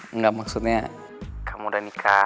enggak maksudnya kamu udah nikah